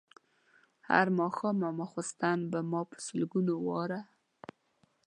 هر ماښام او ماخوستن به ما په سلګونو واره.